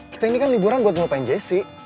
kita ini kan liburan buat ngelupain jessi